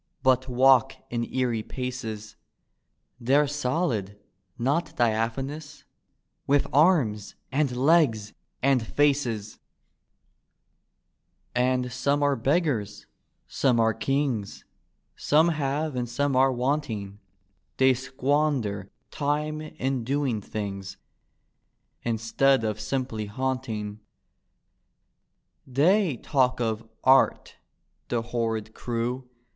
But walk in eerie paces; They're solid, not diaphanous. With arms! and legsll and faceslll D,gt,, erihyGOOgle The Haunted Hour And some are beggars, some are Icui^, Some have and some are wanting. They squander time in doing things, Instead of simply haunting. They talk of " art," the horrid crew.